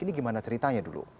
ini gimana ceritanya dulu